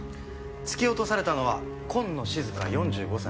突き落とされたのは今野静香４５歳。